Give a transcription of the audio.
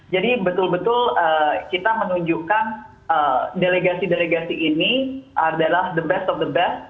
jadi betul betul kita menunjukkan delegasi delegasi ini adalah the best of the best